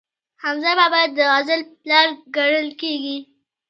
حمزه بابا د غزل پلار ګڼل کیږي.